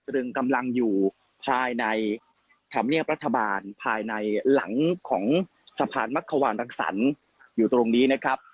รึงกำลังอยู่ภายในธรรมเนียบรัฐบาลภายในหลังของสะพานมักขวานรักษันอยู่ตรงนี้นะครับ